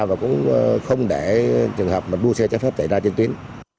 và cũng không để trường hợp mà đua xe trái phép xảy ra trên tuyến